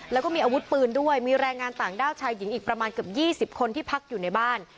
แล้วก็มีอาวุธปืนด้วยมีแรงงานต่างด้าวชายหญิงอีกประมาณเกือบ๒๐คนที่พักอยู่ในบ้าน